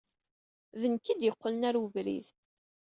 D nekk ay d-yeqqlen ɣer webrid.